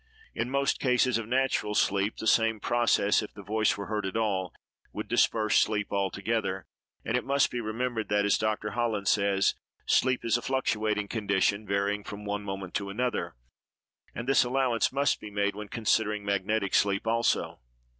In most cases of natural sleep, the same process, if the voice were heard at all, would disperse sleep altogether; and it must be remembered that, as Dr. Holland says, sleep is a fluctuating condition, varying from one moment to another, and this allowance must be made when considering magnetic sleep also.